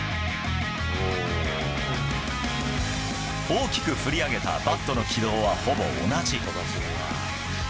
大きく振り上げたバットの軌道はほぼ同じ。